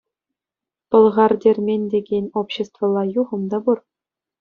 «Пӑлхартермен» текен обществӑлла юхӑм та пур.